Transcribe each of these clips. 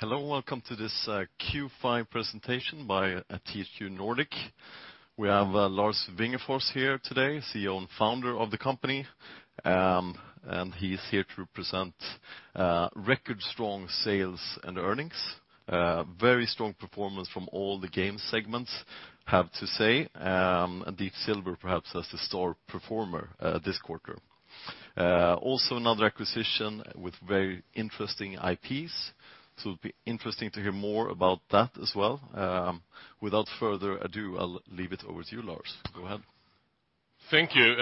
Hello, welcome to this Q5 presentation by THQ Nordic. We have Lars Wingefors here today, CEO and founder of the company, and he's here to present record strong sales and earnings. Very strong performance from all the game segments, I have to say. Deep Silver, perhaps as the star performer this quarter. Also another acquisition with very interesting IPs. So it'll be interesting to hear more about that as well. Without further ado, I'll leave it over to you, Lars. Go ahead. Thank you,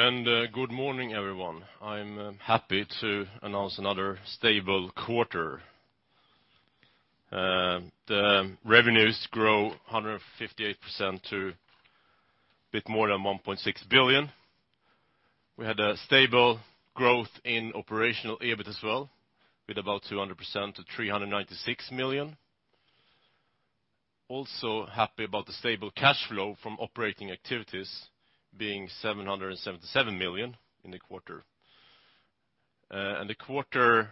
good morning, everyone. I'm happy to announce another stable quarter. The revenues grow 158% to a bit more than 1.6 billion. We had a stable growth in operational EBIT as well, with about 200% to 396 million. Also happy about the stable cash flow from operating activities being 777 million in the quarter. The quarter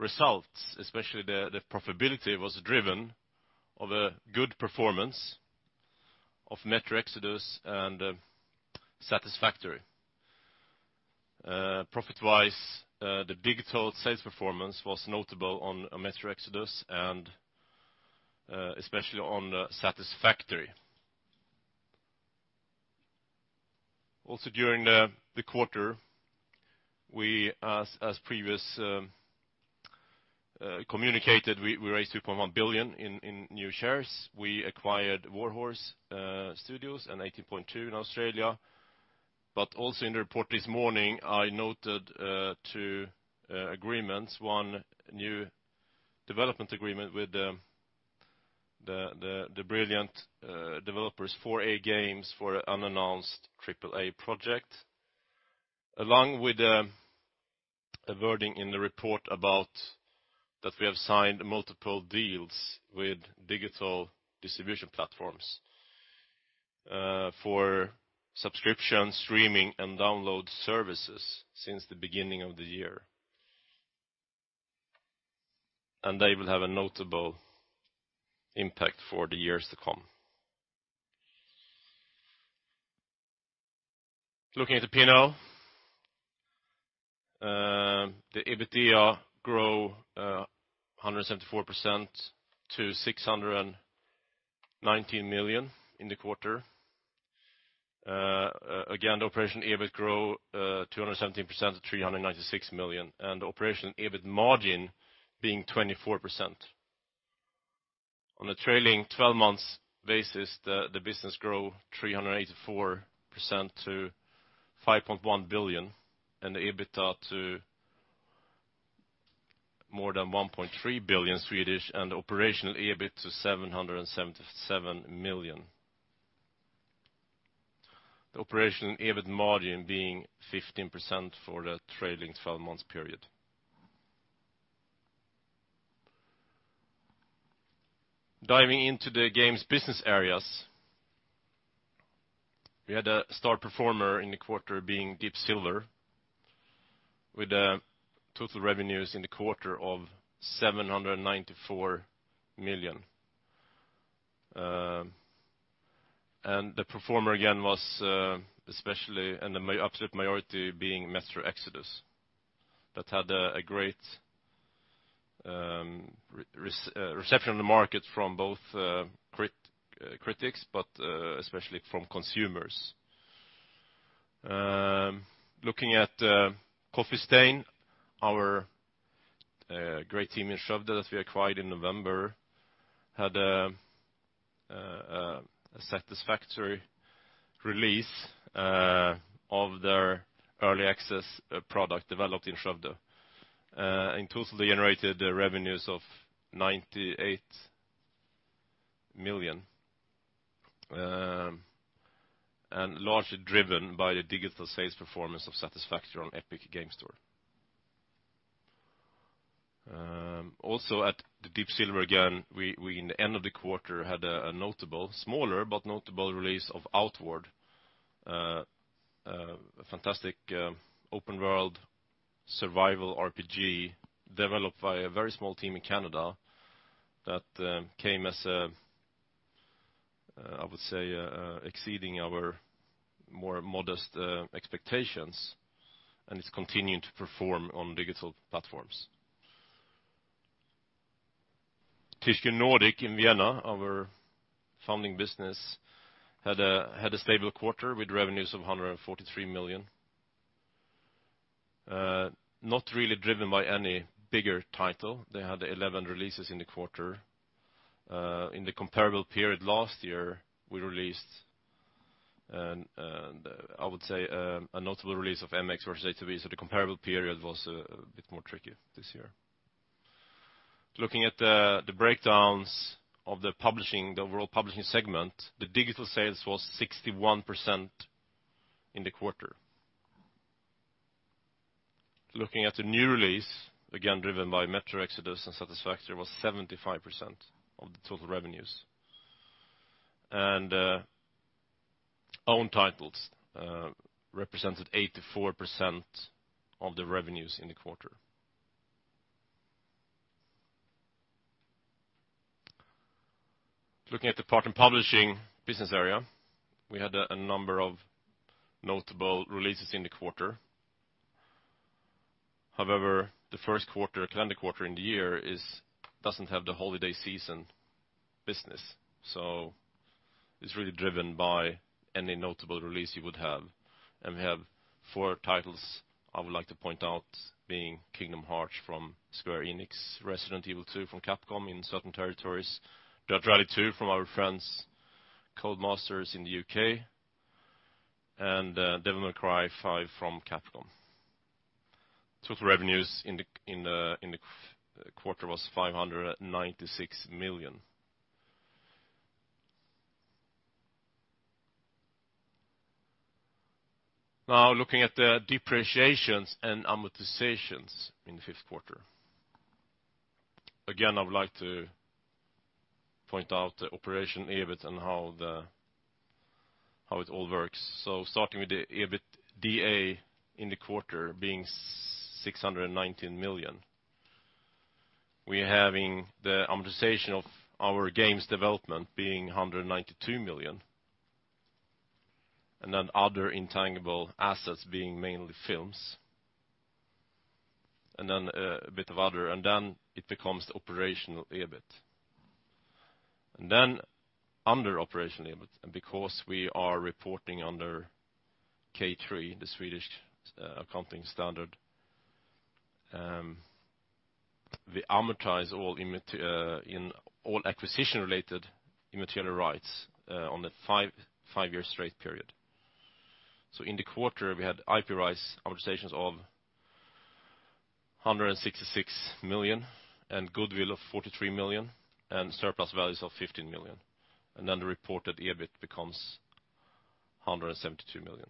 results, especially the profitability, was driven of a good performance of Metro Exodus and Satisfactory. Profit-wise, the digital sales performance was notable on Metro Exodus and especially on Satisfactory. Also during the quarter, as previous communicated, we raised 2.1 billion in new shares. We acquired Warhorse Studios and 18POINT2 in Australia. Also in the report this morning, I noted two agreements, one new development agreement with the brilliant developers 4A Games for an unannounced AAA project, along with a wording in the report about that we have signed multiple deals with digital distribution platforms for subscription, streaming, and download services since the beginning of the year. They will have a notable impact for the years to come. Looking at the P&L. The EBITDA grow 174% to 619 million in the quarter. Again, the operational EBIT grow 217% to 396 million, and the operational EBIT margin being 24%. On a trailing 12 months basis, the business grow 384% to 5.1 billion and the EBITDA to more than 1.3 billion and the operational EBIT to 777 million. The operational EBIT margin being 15% for the trailing 12 months period. Diving into the games business areas. We had a star performer in the quarter being Deep Silver, with the total revenues in the quarter of 794 million. The performer again was especially in the absolute majority being Metro Exodus that had a great reception on the market from both critics, especially from consumers. Looking at Coffee Stain, our great team in Skövde that we acquired in November, had a satisfactory release of their early access product developed in Skövde and totally generated the revenues of SEK 98 million, largely driven by the digital sales performance of Satisfactory on Epic Games Store. Deep Silver again, we in the end of the quarter had a notable, smaller, but notable release of Outward, a fantastic open-world survival RPG developed by a very small team in Canada that came as, I would say, exceeding our more modest expectations, and it's continuing to perform on digital platforms. THQ Nordic in Vienna, our founding business, had a stable quarter with revenues of 143 million. Not really driven by any bigger title. They had 11 releases in the quarter. In the comparable period last year, we released, I would say, a notable release of MX vs. ATV, so the comparable period was a bit trickier this year. Looking at the breakdowns of the overall publishing segment, the digital sales was 61% in the quarter. Looking at the new release, again, driven by Metro Exodus and Satisfactory, was 75% of the total revenues. Own titles represented 84% of the revenues in the quarter. Looking at the partner publishing business area, we had a number of notable releases in the quarter. However, the first calendar quarter in the year doesn't have the holiday season business, so it's really driven by any notable release you would have. We have four titles I would like to point out being Kingdom Hearts from Square Enix, Resident Evil 2 from Capcom in certain territories, DiRT Rally 2.0 from our friends Codemasters in the U.K., and Devil May Cry 5 from Capcom. Total revenues in the quarter was 596 million. Looking at the depreciations and amortizations in the fifth quarter. Again, I would like to point out the operational EBIT and how it all works. Starting with the EBITDA in the quarter being 619 million. We are having the amortization of our games development being 192 million, other intangible assets being mainly films, a bit of other, and it becomes operational EBIT. Under operational EBIT, because we are reporting under K3, the Swedish accounting standard, we amortize all acquisition-related immaterial rights on the five-year straight period. In the quarter, we had IP rights amortizations of 166 million and goodwill of 43 million and surplus values of 15 million. The reported EBIT becomes 172 million.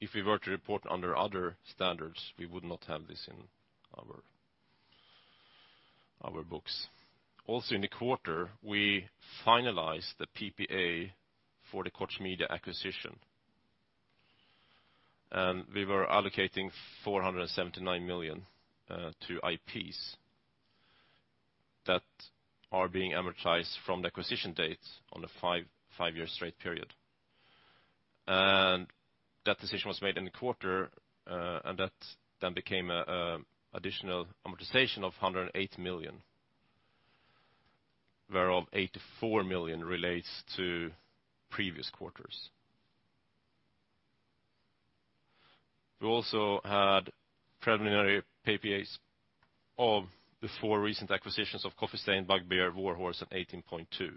If we were to report under other standards, we would not have this in our books. In the quarter, we finalized the PPA for the Koch Media acquisition. We were allocating 479 million to IPs that are being amortized from the acquisition date on the five-year straight period. That decision was made in the quarter, and that became additional amortization of 108 million, whereof 84 million relates to previous quarters. We had preliminary PPAs of the four recent acquisitions of Coffee Stain, Bugbear, Warhorse, and 18POINT2.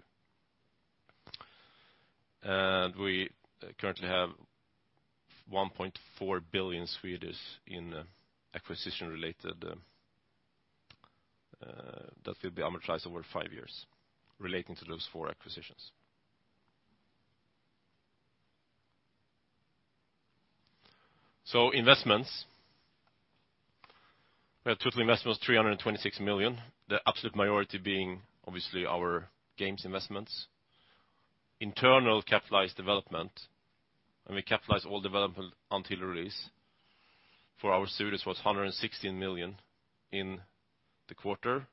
We currently have 1.4 billion in acquisition-related that will be amortized over five years relating to those four acquisitions. Investments. Total investment was 326 million. The absolute majority being obviously our games investments. Internal capitalized development, and we capitalize all development until release for our studios was 116 million in the quarter.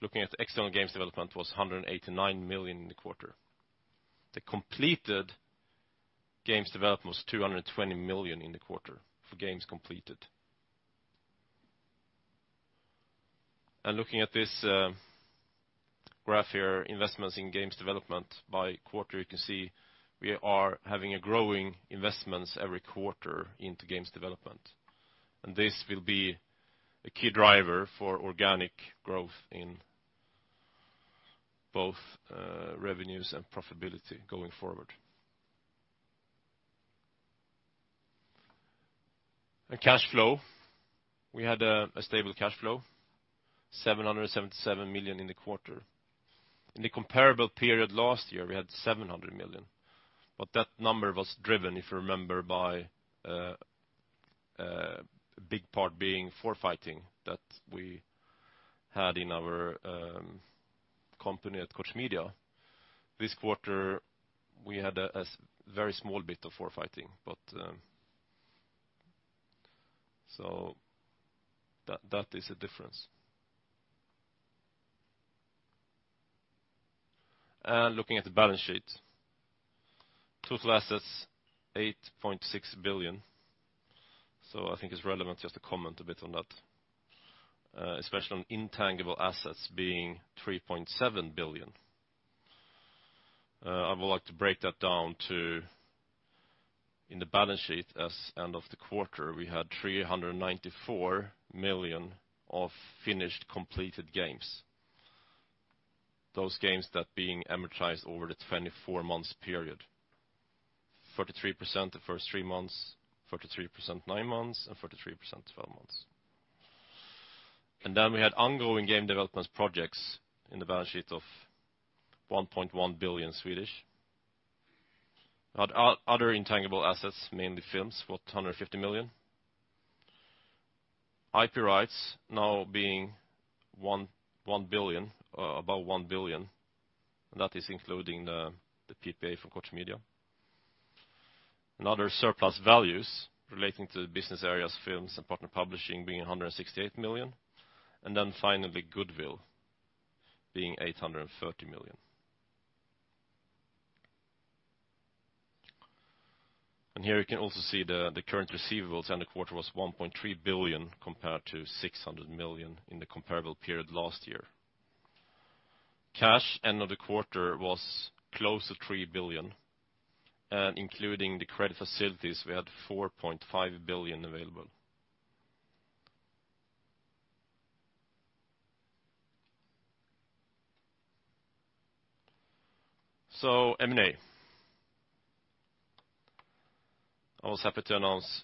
Looking at external games development was 189 million in the quarter. The completed games development was 220 million in the quarter for games completed. Looking at this graph here, investments in games development by quarter, you can see we are having a growing investments every quarter into games development. This will be a key driver for organic growth in both revenues and profitability going forward. In cash flow, we had a stable cash flow, 777 million in the quarter. In the comparable period last year, we had 700 million. That number was driven, if you remember, by a big part being forfaiting that we had in our company at Koch Media. This quarter, we had a very small bit of forfaiting. That is a difference. Looking at the balance sheet. Total assets, 8.6 billion. I think it's relevant just to comment a bit on that, especially on intangible assets being 3.7 billion. I would like to break that down to in the balance sheet as end of the quarter, we had 394 million of finished completed games. Those games that being amortized over the 24 months period, 43% the first three months, 43% nine months, and 43% 12 months. Then we had ongoing game developments projects in the balance sheet of 1.1 billion. Other intangible assets, mainly films, worth 150 million. IP rights now being about 1 billion. That is including the PPA from Koch Media. Other surplus values relating to the business areas, films and partner publishing being 168 million. Then finally, goodwill being 830 million. Here you can also see the current receivables end of quarter was 1.3 billion compared to 600 million in the comparable period last year. Cash end of the quarter was close to 3 billion, including the credit facilities, we had 4.5 billion available. M&A. I was happy to announce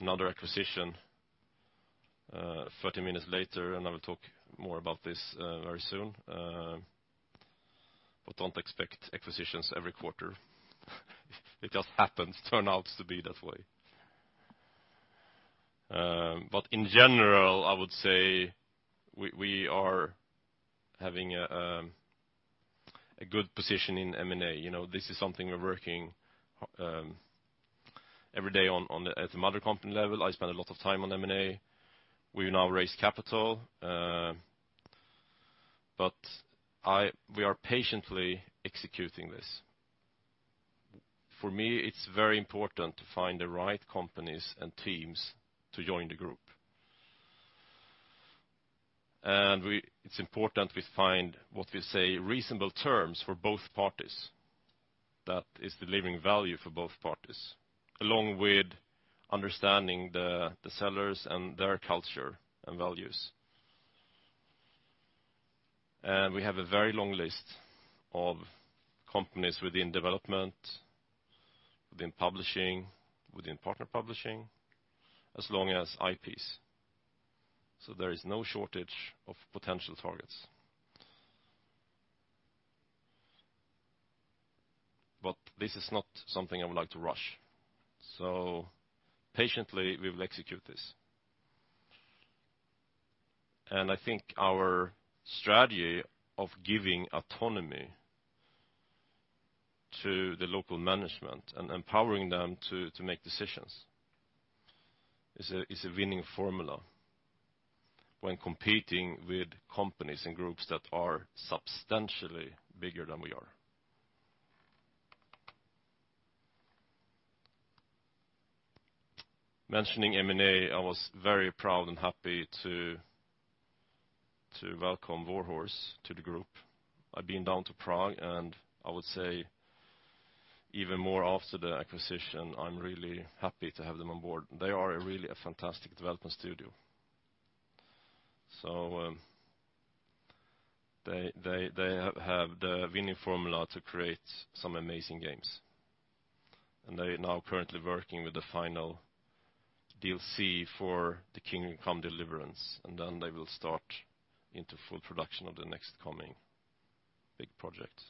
another acquisition 30 minutes later, I will talk more about this very soon. Don't expect acquisitions every quarter. It just happens to turn out to be that way. In general, I would say we are having a good position in M&A. This is something we're working every day on at the mother company level. I spend a lot of time on M&A. We've now raised capital. We are patiently executing this. For me, it's very important to find the right companies and teams to join the group. It's important we find what we say reasonable terms for both parties that is delivering value for both parties, along with understanding the sellers and their culture and values. We have a very long list of companies within development, within publishing, within partner publishing, as long as IPs. There is no shortage of potential targets. This is not something I would like to rush. Patiently we will execute this. I think our strategy of giving autonomy to the local management and empowering them to make decisions is a winning formula when competing with companies and groups that are substantially bigger than we are. Mentioning M&A, I was very proud and happy to welcome Warhorse to the group. I've been down to Prague, I would say even more after the acquisition, I'm really happy to have them on board. They are really a fantastic development studio. They have the winning formula to create some amazing games. They're now currently working with the final DLC for the "Kingdom Come: Deliverance," and then they will start into full production of the next coming big project.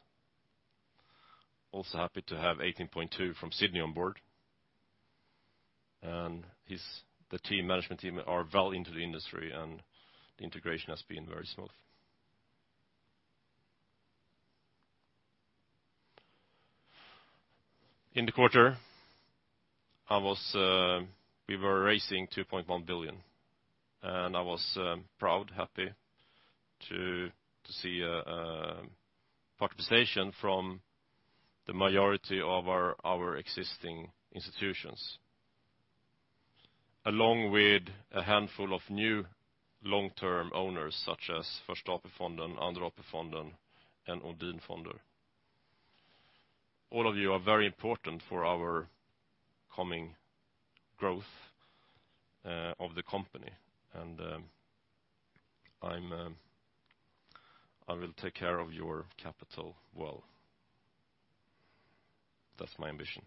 Happy to have 18POINT2 from Sydney on board, and the management team are well into the industry, and the integration has been very smooth. In the quarter, we were raising 2.1 billion. I was proud, happy to see participation from the majority of our existing institutions, along with a handful of new long-term owners such as Första AP-fonden, Andra AP-fonden, and ODIN Fonder. All of you are very important for our coming growth of the company, and I will take care of your capital well. That's my ambition.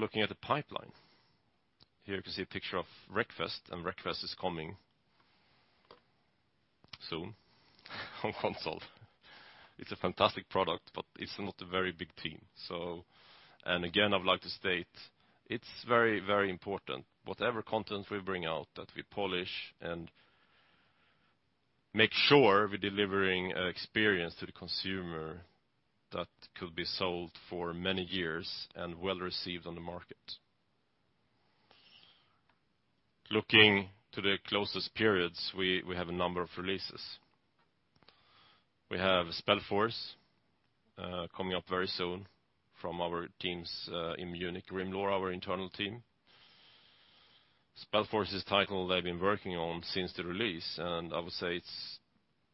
Looking at the pipeline. Here you can see a picture of "Wreckfest," and "Wreckfest" is coming soon on console. It's a fantastic product, but it's not a very big team. Again, I would like to state it's very important whatever content we bring out that we polish and make sure we're delivering an experience to the consumer that could be sold for many years and well-received on the market. Looking to the closest periods, we have a number of releases. We have "SpellForce" coming up very soon from our teams in Munich, Grimlore, our internal team. "SpellForce" is a title they've been working on since the release, and I would say it's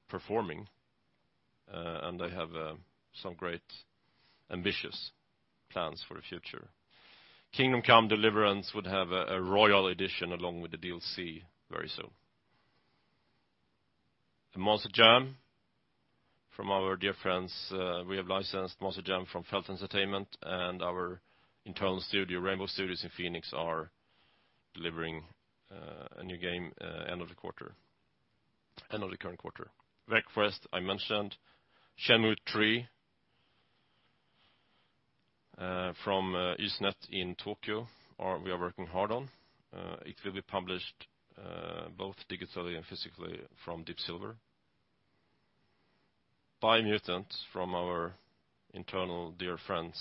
performing, and they have some great ambitious plans for the future. "Kingdom Come: Deliverance" would have a royal edition along with the DLC very soon. "Monster Jam" from our dear friends. We have licensed "Monster Jam" from Feld Entertainment, and our internal studio, Rainbow Studios in Phoenix, are delivering a new game end of the current quarter. Wreckfest, I mentioned. Shenmue III from Ys Net in Tokyo, we are working hard on. It will be published both digitally and physically from Deep Silver. Biomutant from our internal dear friends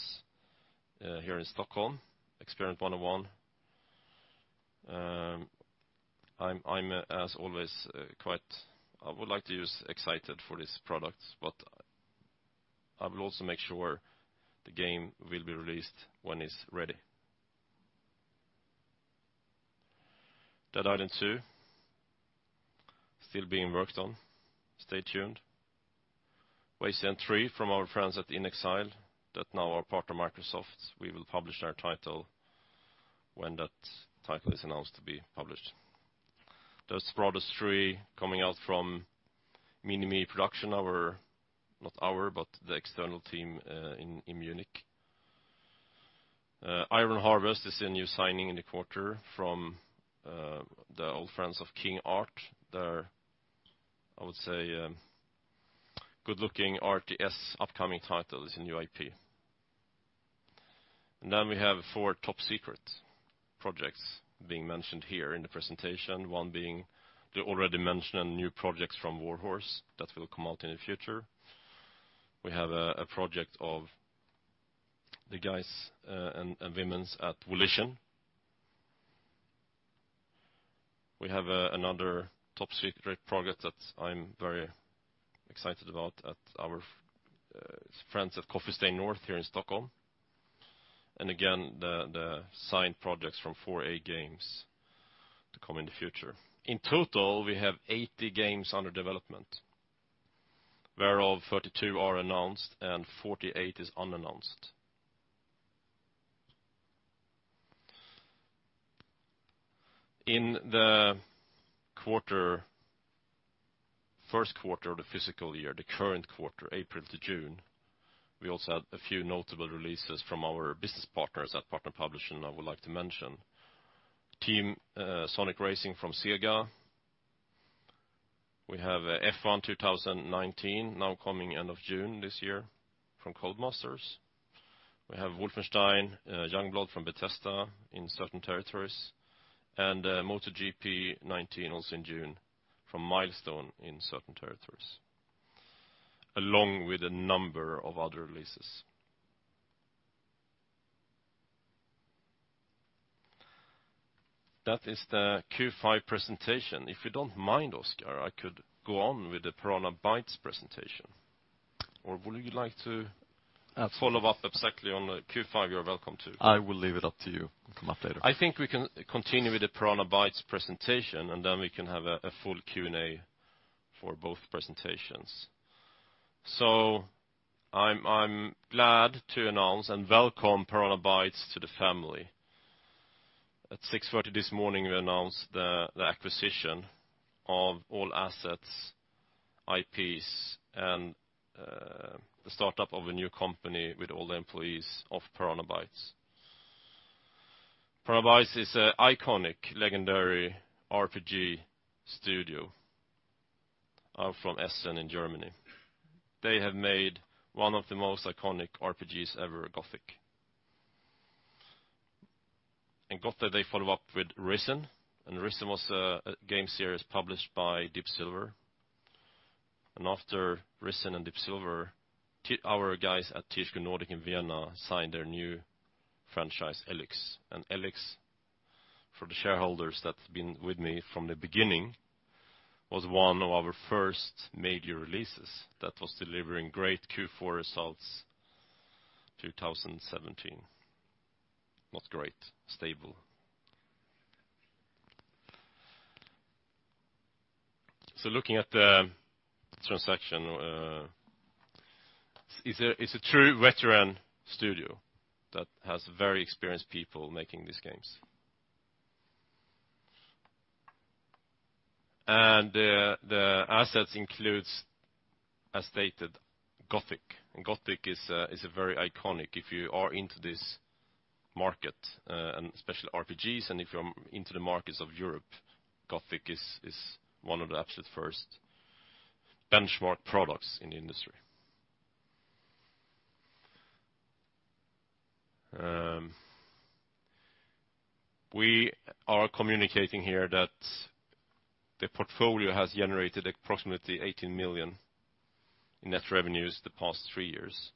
here in Stockholm, Experiment 101. I'm, as always, I would like to use excited for this product, but I will also make sure the game will be released when it's ready. Dead Island 2, still being worked on. Stay tuned. Wasteland 3 from our friends at inXile that are now partner of Microsoft's. We will publish their title when that title is announced to be published. Desperados III coming out from Mimimi Productions, the external team in Munich. Iron Harvest is a new signing in the quarter from the old friends of KING Art. Their, I would say, good-looking RTS upcoming title is a new IP. We have four top-secret projects being mentioned here in the presentation. One being the already mentioned new projects from Warhorse that will come out in the future. We have a project of the guys and womens at Volition. We have another top-secret project that I'm very excited about at our friends at Coffee Stain North here in Stockholm. Again, the signed projects from 4A Games to come in the future. In total, we have 80 games under development, whereof 32 are announced and 48 is unannounced. In the first quarter of the physical year, the current quarter, April to June, we also had a few notable releases from our business partners at partner publishing I would like to mention. Team Sonic Racing from Sega. We have F1 2019 now coming end of June this year from Codemasters. We have Wolfenstein: Youngblood from Bethesda in certain territories. MotoGP 19 also in June from Milestone in certain territories, along with a number of other releases. That is the Q5 presentation. If you don't mind, Oscar, I could go on with the Piranha Bytes presentation. Would you like to follow up exactly on the Q5? You're welcome to. I will leave it up to you. Come up later. I think we can continue with the Piranha Bytes presentation, then we can have a full Q&A for both presentations. I'm glad to announce and welcome Piranha Bytes to the family. At 6:30 A.M. this morning, we announced the acquisition of all assets, IPs, and the startup of a new company with all the employees of Piranha Bytes. Piranha Bytes is an iconic, legendary RPG studio from Essen in Germany. They have made one of the most iconic RPGs ever, Gothic. In Gothic, they follow up with Risen, and Risen was a game series published by Deep Silver. After Risen and Deep Silver, our guys at THQ Nordic in Vienna signed their new franchise, Elex. Elex, for the shareholders that's been with me from the beginning, was one of our first major releases that was delivering great Q4 results 2017. Not great, stable. Looking at the transaction. It's a true veteran studio that has very experienced people making these games. The assets includes, as stated, Gothic. Gothic is a very iconic if you are into this market, and especially RPGs, and if you're into the markets of Europe, Gothic is one of the absolute first benchmark products in the industry. We are communicating here that the portfolio has generated approximately 18 million in net revenues the past three years.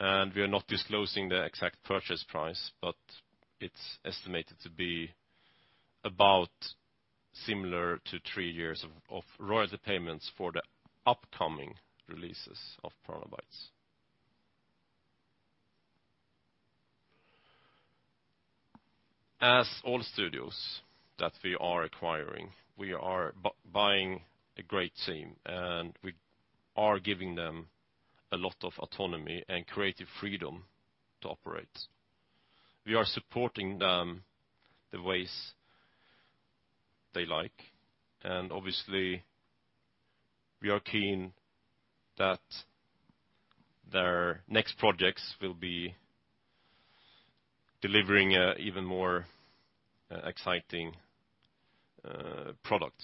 We are not disclosing the exact purchase price, but it's estimated to be about similar to three years of royalty payments for the upcoming releases of Piranha Bytes. As all studios that we are acquiring, we are buying a great team, and we are giving them a lot of autonomy and creative freedom to operate. We are supporting them the ways they like. Obviously, we are keen that their next projects will be delivering an even more exciting product.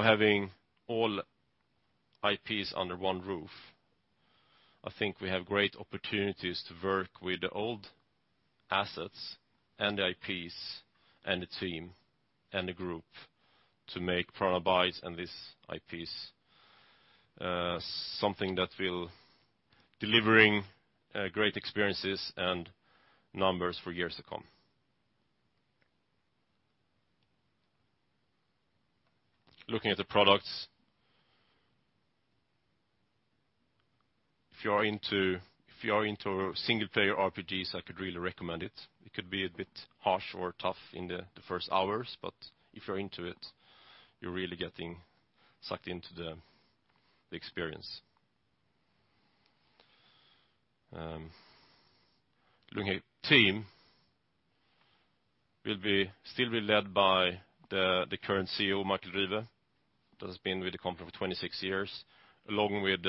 Having all IPs under one roof, I think we have great opportunities to work with the old assets and IPs and the team and the group to make [Avabys] and these IPs something that will be delivering great experiences and numbers for years to come. Looking at the products, if you are into single-player RPGs, I could really recommend it. It could be a bit harsh or tough in the first hours, but if you're into it, you're really getting sucked into the experience. Looking at team, we'll still be led by the current CEO, Michael Hoge, who has been with the company for 26 years, along with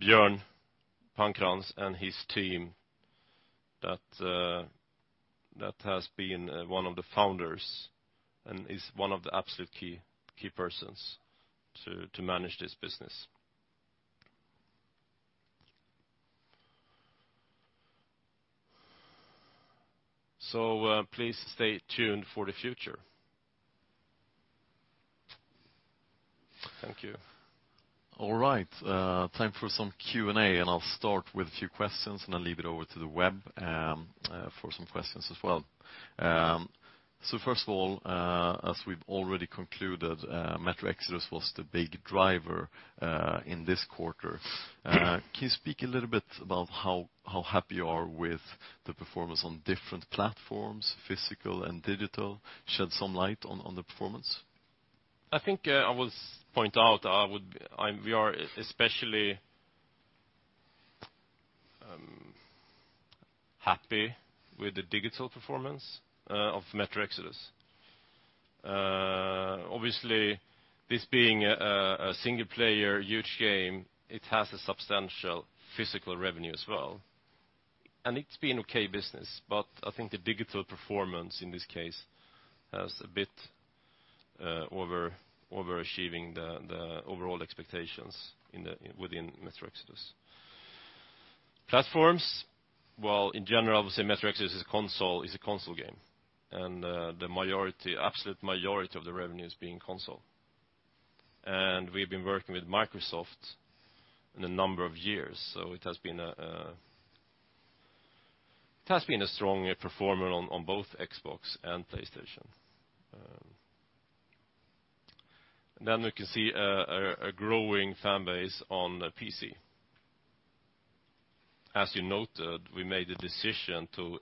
Björn Pankratz and his team that has been one of the founders and is one of the absolute key persons to manage this business. Please stay tuned for the future. Thank you. All right. Time for some Q&A. I'll start with a few questions. I'll leave it over to the web for some questions as well. First of all, as we've already concluded, "Metro Exodus" was the big driver in this quarter. Can you speak a little bit about how happy you are with the performance on different platforms, physical and digital? Shed some light on the performance. I think I will point out we are especially happy with the digital performance of "Metro Exodus." Obviously, this being a single-player huge game, it has a substantial physical revenue as well. It's been okay business, I think the digital performance in this case has a bit overachieving the overall expectations within "Metro Exodus." Platforms, well, in general, obviously, "Metro Exodus" is a console game. The absolute majority of the revenue is being console. We've been working with Microsoft for a number of years, so it has been a strong performer on both Xbox and PlayStation. We can see a growing fan base on PC. As you noted, we made a decision to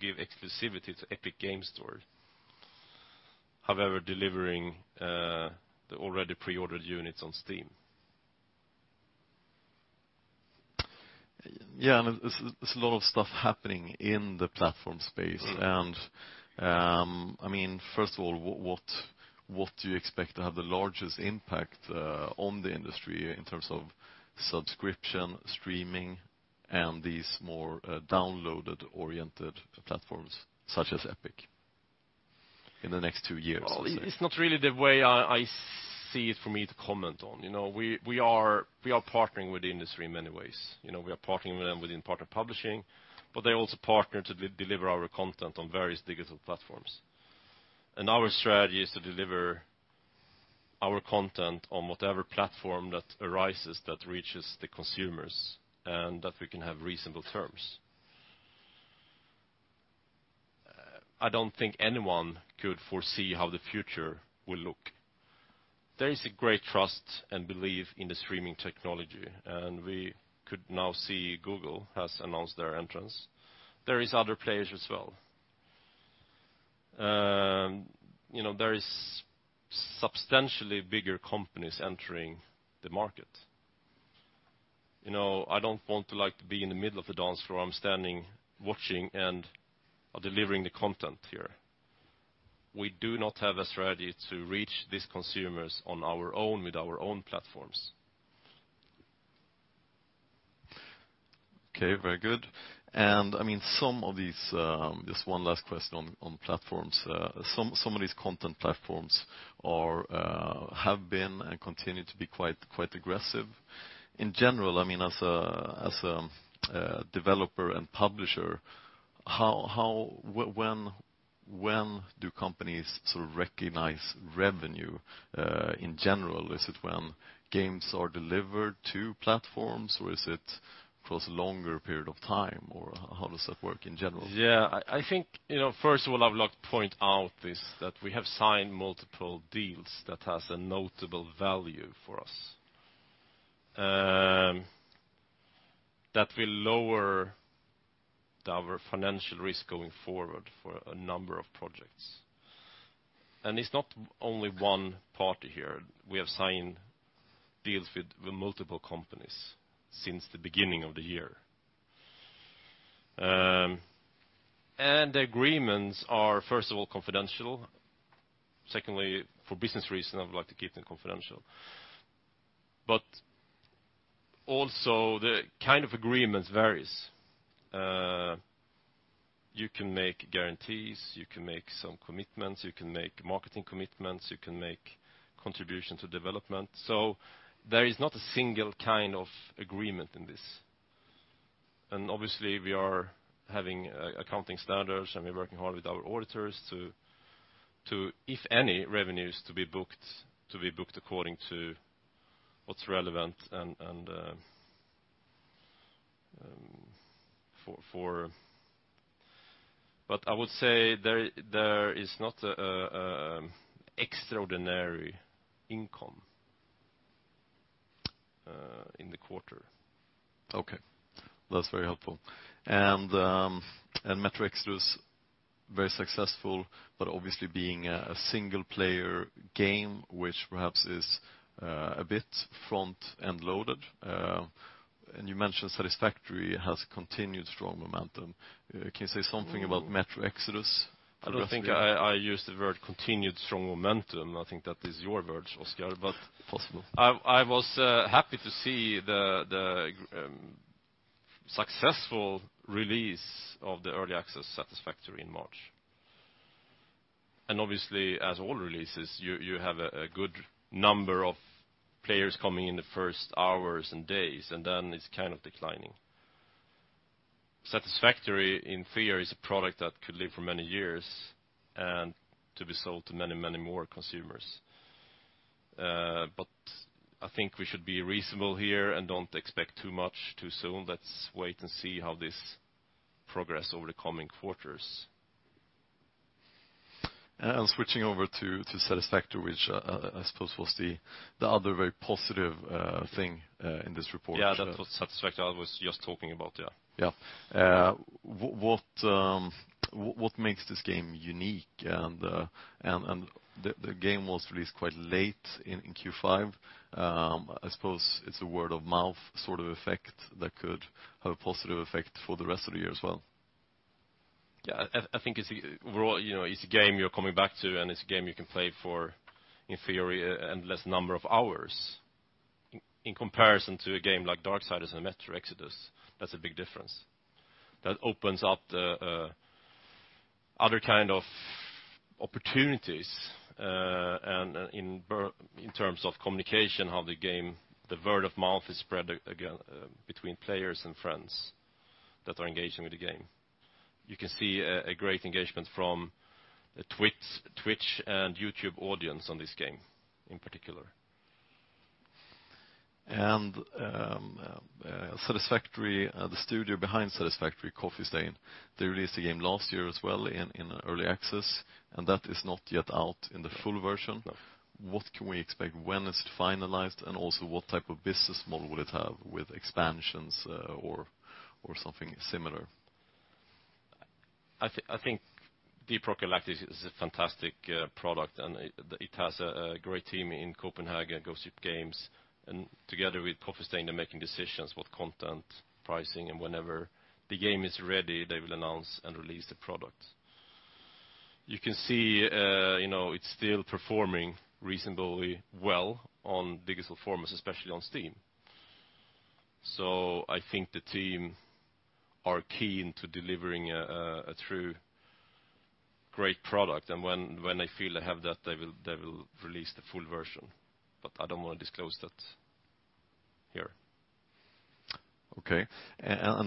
give exclusivity to Epic Games Store. However, delivering the already pre-ordered units on Steam. Yeah, there is a lot of stuff happening in the platform space. First of all, what do you expect to have the largest impact on the industry in terms of subscription, streaming, and these more downloaded-oriented platforms such as Epic in the next 2 years, let's say? It is not really the way I see it for me to comment on. We are partnering with the industry in many ways. We are partnering with them within partner publishing, but they also partner to deliver our content on various digital platforms. Our strategy is to deliver our content on whatever platform that arises that reaches the consumers and that we can have reasonable terms. I do not think anyone could foresee how the future will look. There is a great trust and belief in the streaming technology, and we could now see Google has announced their entrance. There are other players as well. There is substantially bigger companies entering the market. I do not want to be in the middle of the dance floor. I am standing, watching, and delivering the content here. We do not have a strategy to reach these consumers on our own with our own platforms. Okay, very good. Just one last question on platforms. Some of these content platforms have been and continue to be quite aggressive. In general, as a developer and publisher, when do companies sort of recognize revenue in general? Is it when games are delivered to platforms, or is it across a longer period of time, or how does that work in general? Yeah. I think, first of all, I would like to point out that we have signed multiple deals that have a notable value for us, that will lower our financial risk going forward for a number of projects. It's not only one party here. We have signed deals with multiple companies since the beginning of the year. The agreements are, first of all, confidential. Secondly, for business reasons, I would like to keep them confidential. Also the kind of agreements varies. You can make guarantees, you can make some commitments, you can make marketing commitments, you can make contributions to development. There is not a single kind of agreement in this. Obviously we are having accounting standards and we are working hard with our auditors to, if any, revenues to be booked according to what's relevant. I would say there is not extraordinary income in the quarter. Okay. That's very helpful. Metro Exodus, very successful, but obviously being a single-player game, which perhaps is a bit front and loaded. You mentioned Satisfactory has continued strong momentum. Can you say something about Metro Exodus? I don't think I used the word continued strong momentum. I think that is your words, Oscar. Possible I was happy to see the successful release of the early access Satisfactory in March. Obviously, as all releases, you have a good number of players coming in the first hours and days, and then it's kind of declining. Satisfactory in theory is a product that could live for many years and to be sold to many more consumers. I think we should be reasonable here and don't expect too much too soon. Let's wait and see how this progress over the coming quarters. Switching over to Satisfactory, which I suppose was the other very positive thing in this report. Yeah, that was Satisfactory I was just talking about, yeah. Yeah. What makes this game unique and the game was released quite late in Q5. I suppose it's a word of mouth sort of effect that could have a positive effect for the rest of the year as well. Yeah, I think it's a game you're coming back to, it's a game you can play for, in theory, endless number of hours in comparison to a game like "Darksiders" and "Metro Exodus," that's a big difference. That opens up other kind of opportunities, in terms of communication, how the game, the word of mouth is spread between players and friends that are engaging with the game. You can see a great engagement from the Twitch and YouTube audience on this game in particular. Satisfactory," the studio behind "Satisfactory", Coffee Stain, they released a game last year as well in early access, that is not yet out in the full version. No. What can we expect? When is it finalized? Also, what type of business model will it have with expansions or something similar? I think "Deep Rock Galactic" is a fantastic product, it has a great team in Copenhagen, Ghost Ship Games, together with Coffee Stain, they're making decisions about content, pricing, whenever the game is ready, they will announce and release the product. You can see it's still performing reasonably well on digital formats, especially on Steam. I think the team are keen to delivering a true great product, when they feel they have that, they will release the full version, I don't want to disclose that here. Okay.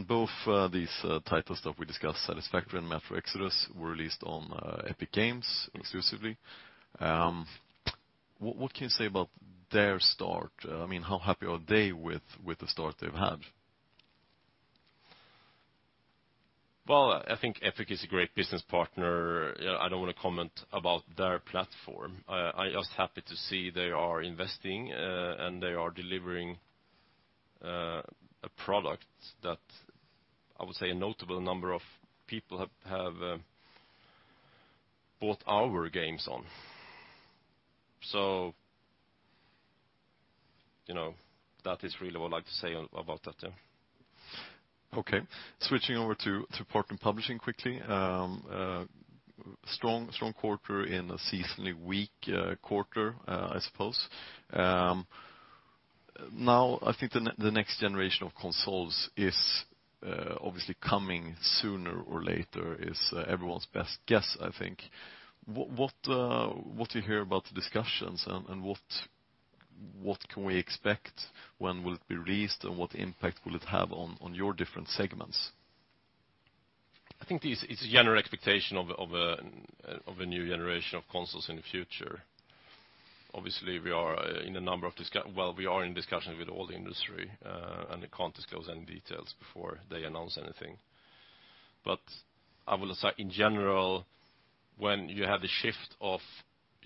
Both these titles that we discussed, Satisfactory and Metro Exodus, were released on Epic Games exclusively. What can you say about their start? How happy are they with the start they've had? I think Epic is a great business partner. I don't want to comment about their platform. I'm just happy to see they are investing, and they are delivering a product that I would say a notable number of people have bought our games on. That is really what I'd like to say about that. Yeah. Okay. Switching over to partner publishing quickly. Strong quarter in a seasonally weak quarter, I suppose. I think the next generation of consoles is obviously coming sooner or later is everyone's best guess, I think. What do you hear about the discussions, what can we expect? When will it be released, what impact will it have on your different segments? I think it's a general expectation of a new generation of consoles in the future. We are in a number of discussions with all the industry, and I can't disclose any details before they announce anything. I will say in general, when you have the shift of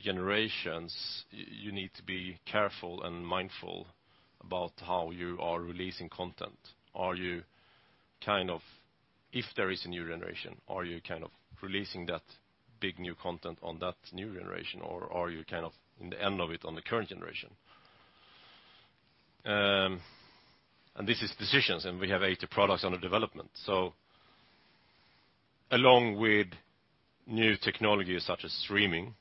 generations, you need to be careful and mindful about how you are releasing content. If there is a new generation, are you releasing that big new content on that new generation, or are you in the end of it on the current generation? This is decisions, and we have 80 products under development. Along with new technologies such as streaming,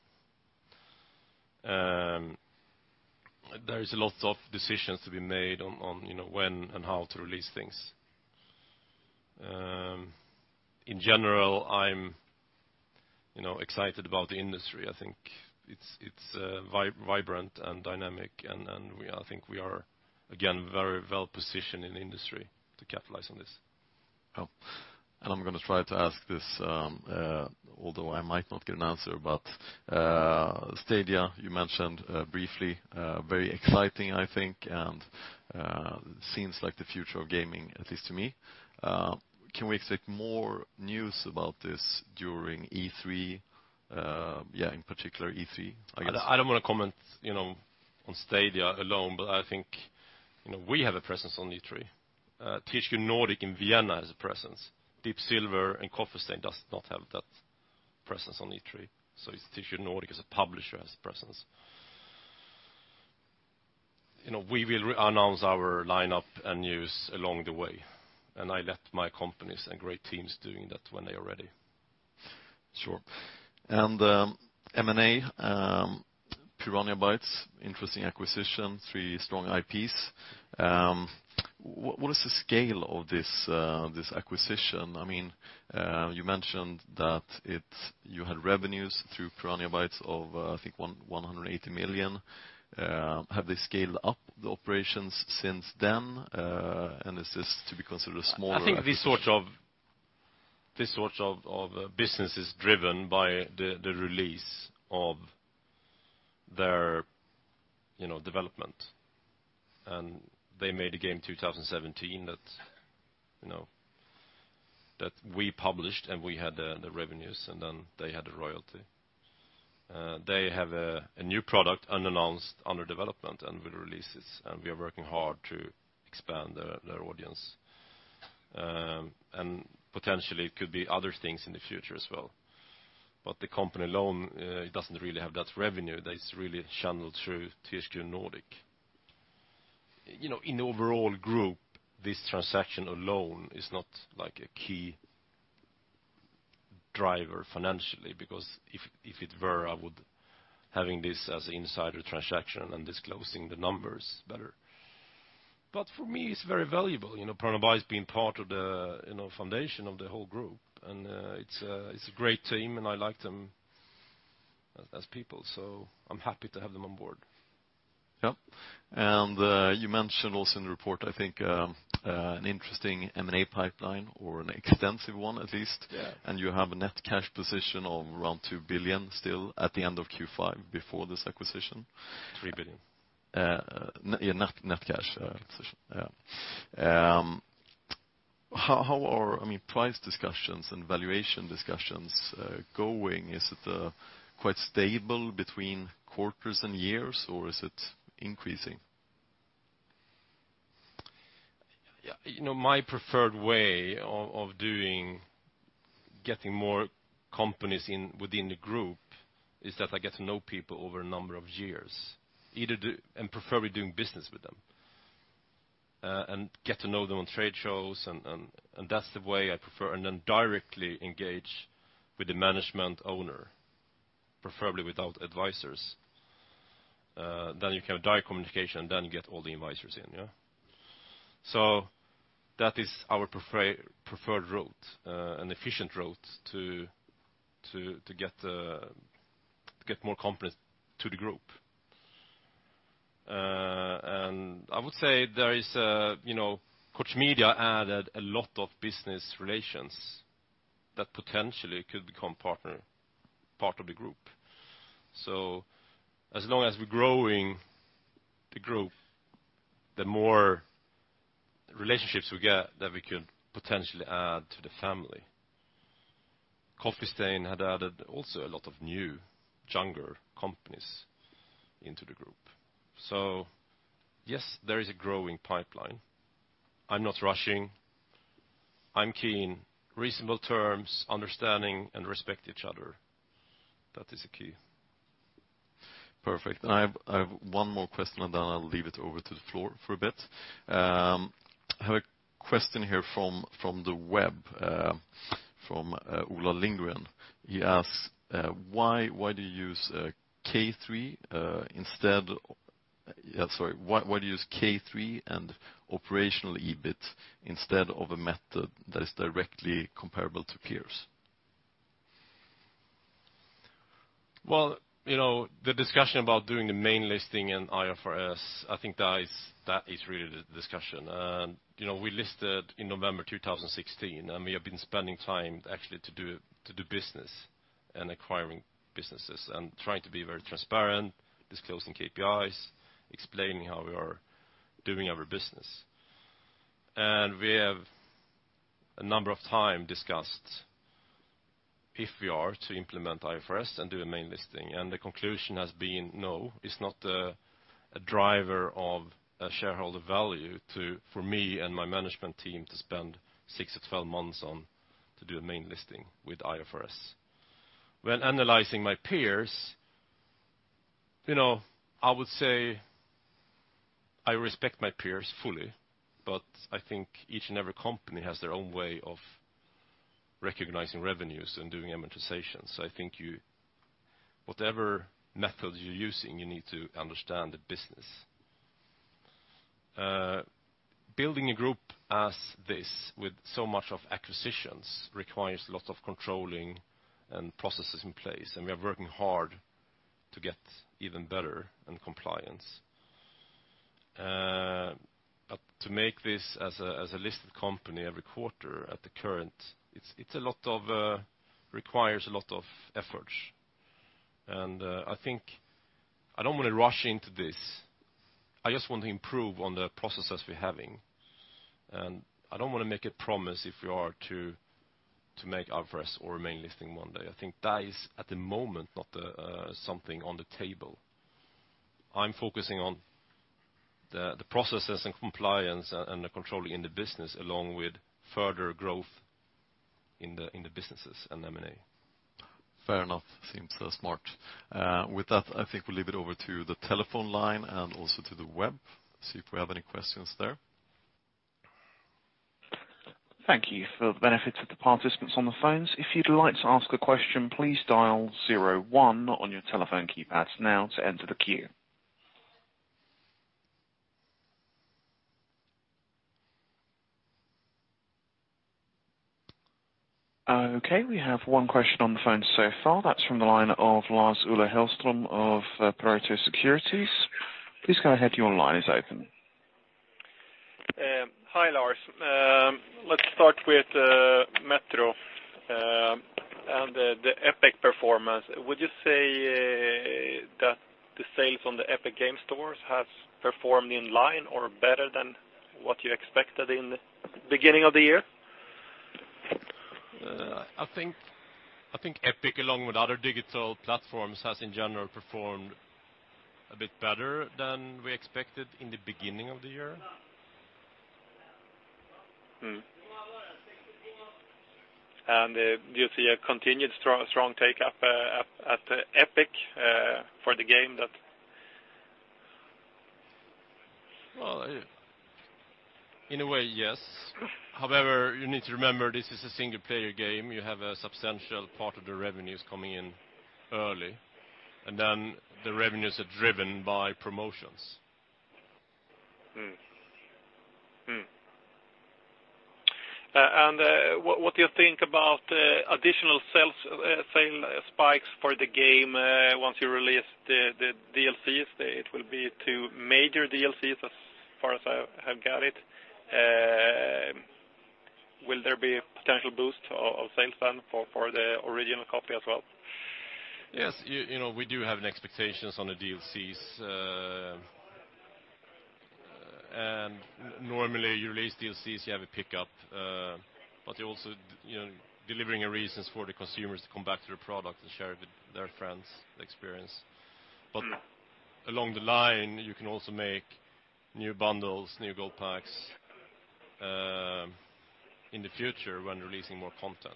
there is lots of decisions to be made on when and how to release things. In general, I'm excited about the industry. I think it's vibrant and dynamic. I think we are, again, very well-positioned in the industry to capitalize on this. I'm going to try to ask this, although I might not get an answer, Stadia, you mentioned briefly. Very exciting, I think, and seems like the future of gaming, at least to me. Can we expect more news about this during E3? Yeah, in particular E3, I guess. I don't want to comment on Stadia alone. I think we have a presence on E3. THQ Nordic in Vienna has a presence. Deep Silver and Coffee Stain does not have that presence on E3. It's THQ Nordic as a publisher has a presence. We will announce our lineup and news along the way. I let my companies and great teams doing that when they are ready. Sure. M&A, Piranha Bytes, interesting acquisition, three strong IPs. What is the scale of this acquisition? You mentioned that you had revenues through Piranha Bytes of, I think, 180 million. Have they scaled up the operations since then? Is this to be considered a smaller. I think this sort of business is driven by the release of their development. They made a game in 2017 that we published, we had the revenues, then they had the royalty. They have a new product unannounced under development, we'll release it, we are working hard to expand their audience. Potentially it could be other things in the future as well. The company alone doesn't really have that revenue. That is really channeled through THQ Nordic. In the overall group, this transaction alone is not a key driver financially because if it were, I would having this as an insider transaction and disclosing the numbers better. For me, it's very valuable. Piranha Bytes being part of the foundation of the whole group. It's a great team, I like them as people. I'm happy to have them on board. Yeah. You mentioned also in the report, I think, an interesting M&A pipeline or an extensive one at least. Yeah. You have a net cash position of around 2 billion still at the end of Q5 before this acquisition. 3 billion. Net cash position. Yeah. How are price discussions and valuation discussions going? Is it quite stable between quarters and years, or is it increasing? My preferred way of getting more companies within the group is that I get to know people over a number of years and preferably doing business with them. Get to know them on trade shows, and that's the way I prefer, and then directly engage with the management owner, preferably without advisors. You can have direct communication, then get all the advisors in. That is our preferred route, an efficient route to get more companies to the group. I would say Koch Media added a lot of business relations that potentially could become part of the group. As long as we're growing the group, the more relationships we get that we could potentially add to the family. Coffee Stain had added also a lot of new, younger companies into the group. Yes, there is a growing pipeline. I'm not rushing. I'm keen. Reasonable terms, understanding, and respect each other. That is the key. Perfect. I have one more question, and then I'll leave it over to the floor for a bit. I have a question here from the web from Ola Lindgren. He asks: why do you use K3 and operational EBIT instead of a method that is directly comparable to peers? Well, the discussion about doing the main listing in IFRS, I think that is really the discussion. We listed in November 2016, and we have been spending time actually to do business and acquiring businesses and trying to be very transparent, disclosing KPIs, explaining how we are doing our business. We have a number of time discussed if we are to implement IFRS and do a main listing, and the conclusion has been no. It's not a driver of shareholder value for me and my management team to spend 6 to 12 months on to do a main listing with IFRS.When analyzing my peers, I would say I respect my peers fully, but I think each and every company has their own way of recognizing revenues and doing amortization. I think whatever method you're using, you need to understand the business. Building a group as this with so much of acquisitions requires lots of controlling and processes in place, and we are working hard to get even better in compliance. To make this as a listed company every quarter at the current, it requires a lot of effort. I think I don't want to rush into this. I just want to improve on the processes we're having. I don't want to make a promise if we are to make our first or main listing one day. I think that is, at the moment, not something on the table. I'm focusing on the processes and compliance and the controlling in the business, along with further growth in the businesses and M&A. Fair enough. Seems smart. With that, I think we'll leave it over to the telephone line and also to the web, see if we have any questions there. Thank you. For the benefit of the participants on the phones, if you'd like to ask a question, please dial zero one on your telephone keypads now to enter the queue. Okay, we have one question on the phone so far. That's from the line of Lars-Ola Hellström of Pareto Securities. Please go ahead. Your line is open. Hi, Lars. Let's start with Metro and the Epic performance. Would you say that the sales on the Epic Games Store has performed in line or better than what you expected in the beginning of the year? I think Epic, along with other digital platforms, has in general performed a bit better than we expected in the beginning of the year. Do you see a continued strong take-up at Epic for the game that Well, in a way, yes. However, you need to remember this is a single-player game. You have a substantial part of the revenues coming in early, then the revenues are driven by promotions. Hmm. What do you think about additional sale spikes for the game once you release the DLCs? It will be two major DLCs as far as I have got it. Will there be a potential boost of sales then for the original copy as well? Yes, we do have expectations on the DLCs. Normally you release DLCs, you have a pickup, but you are also delivering reasons for the consumers to come back to the product and share with their friends the experience. Along the line, you can also make new bundles, new gold packs in the future when releasing more content.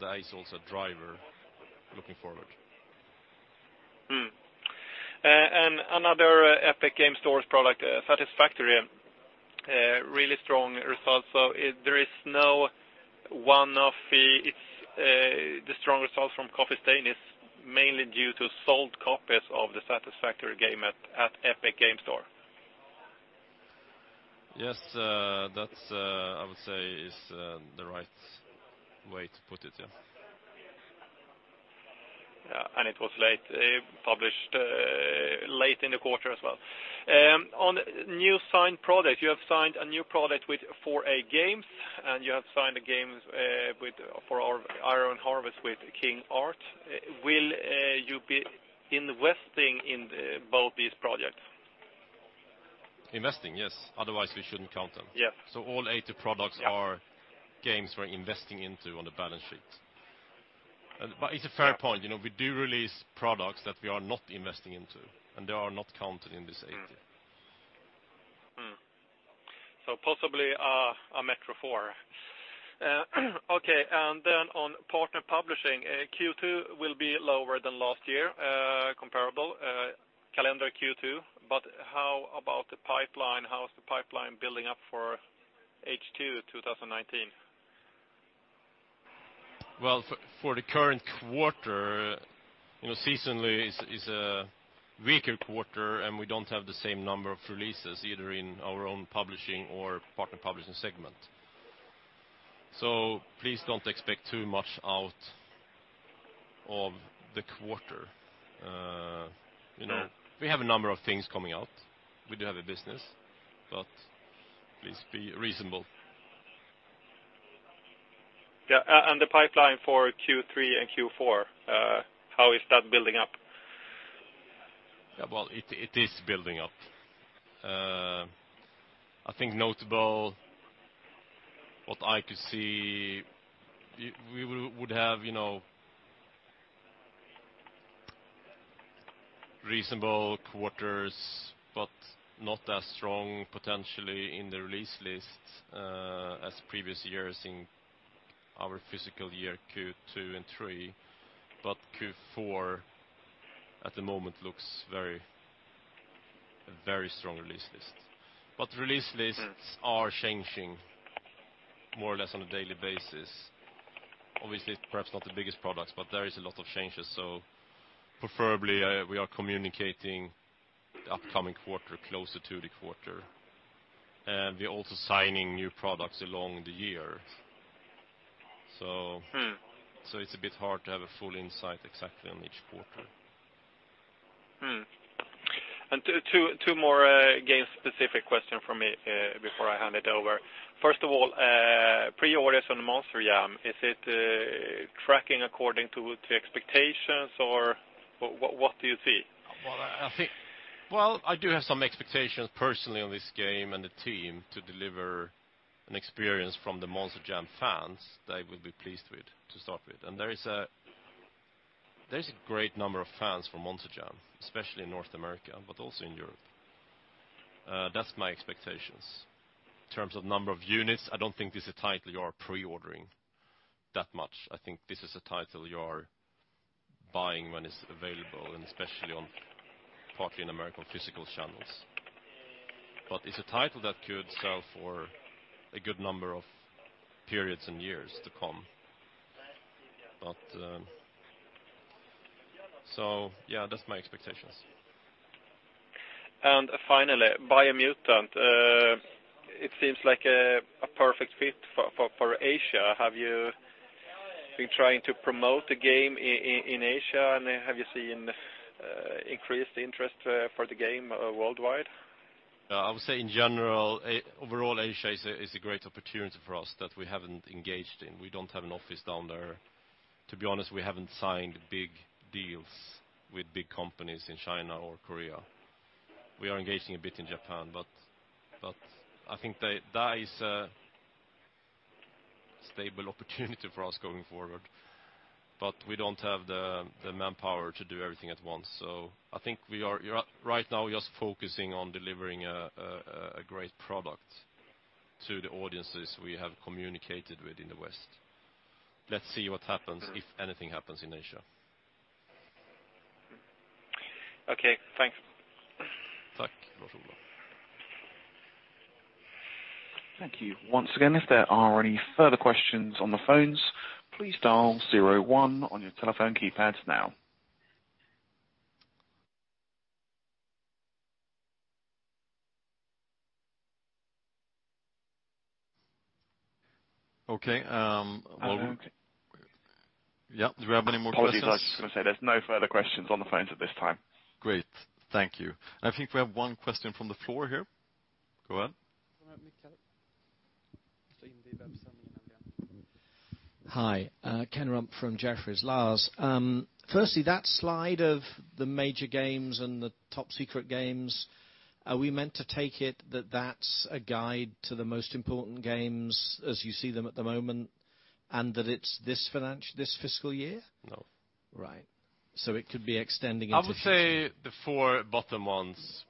That is also a driver looking forward. Hmm. Another Epic Games Store product, Satisfactory, really strong results. There is no one-off fee. The strong results from Coffee Stain is mainly due to sold copies of the Satisfactory game at Epic Games Store. Yes, that I would say is the right way to put it, yes. It was published late in the quarter as well. On new signed products, you have signed a new product with 4A Games, and you have signed the games for Iron Harvest with KING Art. Will you be investing in both these projects? Investing, yes. Otherwise, we shouldn't count them. Yeah. All 80 products are games we're investing into on the balance sheet. It's a fair point. We do release products that we are not investing into, and they are not counted in this 80. Hmm. Possibly a Metro 4. On partner publishing, Q2 will be lower than last year, comparable calendar Q2. How about the pipeline? How is the pipeline building up for H2 2019? Well, for the current quarter, seasonally is a weaker quarter, and we don't have the same number of releases either in our own publishing or partner publishing segment. Please don't expect too much out of the quarter. No. We have a number of things coming out. We do have a business, but please be reasonable. Yeah. The pipeline for Q3 and Q4, how is that building up? Well, it is building up. I think notable what I could see, reasonable quarters, but not as strong potentially in the release list as previous years in our fiscal year Q2 and Q3. Q4 at the moment looks very strong release list. Release lists are changing more or less on a daily basis. Obviously, it's perhaps not the biggest products, but there is a lot of changes. Preferably, we are communicating the upcoming quarter closer to the quarter. We are also signing new products along the year. It's a bit hard to have a full insight exactly on each quarter. Two more game-specific question from me, before I hand it over. First of all, pre-orders on "Monster Jam," is it tracking according to expectations or what do you see? Well, I do have some expectations personally on this game and the team to deliver an experience from the "Monster Jam" fans that will be pleased with, to start with. There's a great number of fans for "Monster Jam," especially in North America, but also in Europe. That's my expectations. In terms of number of units, I don't think this is a title you are pre-ordering that much. I think this is a title you are buying when it's available, and especially on partly in American physical channels. It's a title that could sell for a good number of periods and years to come. Yeah, that's my expectations. Finally, "Biomutant," it seems like a perfect fit for Asia. Have you been trying to promote the game in Asia, and have you seen increased interest for the game worldwide? I would say in general, overall Asia is a great opportunity for us that we haven't engaged in. We don't have an office down there. To be honest, we haven't signed big deals with big companies in China or Korea. We are engaging a bit in Japan, I think that is a stable opportunity for us going forward. We don't have the manpower to do everything at once. I think we are right now just focusing on delivering a great product to the audiences we have communicated with in the West. Let's see what happens, if anything happens in Asia. Okay, thanks. Tack. Thank you. Once again, if there are any further questions on the phones, please dial zero one on your telephone keypads now. Okay. I don't think. Yeah. Do we have any more questions? Apologies, I was just going to say there's no further questions on the phones at this time. Great. Thank you. I think we have one question from the floor here. Go ahead. Hi, Ken Rumph from Jefferies. Lars, firstly, that slide of the major games and the top-secret games, are we meant to take it that's a guide to the most important games as you see them at the moment, and that it's this fiscal year? No. Right. It could be extending into. I would say the four bottom ones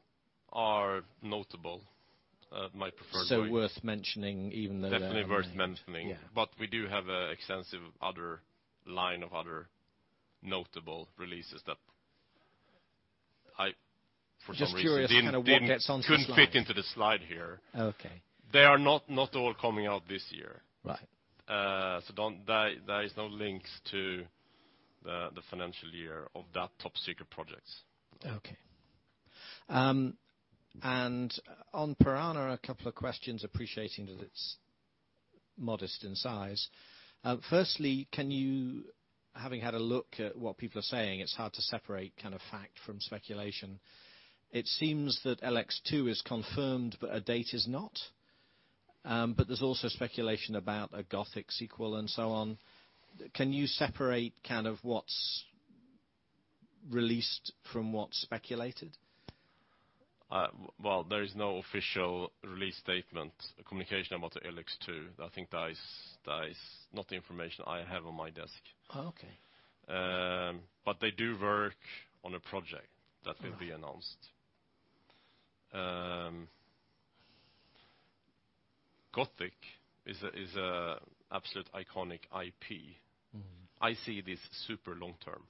are notable, my preferred way. Worth mentioning, even though they're Definitely worth mentioning. Yeah. We do have an extensive other line of other notable releases that I, for some reason. Just curious what gets on to the slide. couldn't fit into the slide here. Okay. They are not all coming out this year. Right. There is no links to the financial year of that top-secret projects. Okay. On Piranha, a couple of questions appreciating that it's modest in size. Firstly, can you, having had a look at what people are saying, it's hard to separate fact from speculation. It seems that ELEX II is confirmed, but a date is not. There's also speculation about a Gothic sequel and so on. Can you separate what's released from what's speculated? Well, there is no official release statement, communication about the ELEX II. I think that is not the information I have on my desk. Okay. They do work on a project that will be announced. Gothic is a absolute iconic IP. I see this super long-term.